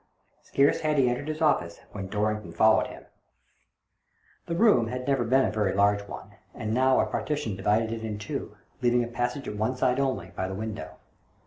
Scarce had he entered his office when Dorrington followed him. 134 THE DOBBIN GTON DEED BOX The room had never been a very large one, and now a partition divided it in two, leaving a passage at one side only, by the window.